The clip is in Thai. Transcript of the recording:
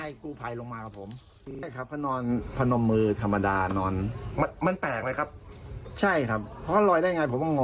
อันถามว่าแล้วอาการของเธอคนนี้เป็นอย่างไรบ้าง